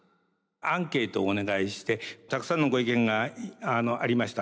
アンケートをお願いしてたくさんのご意見がありました。